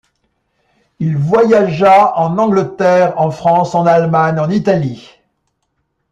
Il voyagea en Angleterre, en France, en Allemagne, en Italie.